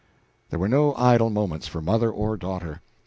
There were no idle moments for mother or daughter.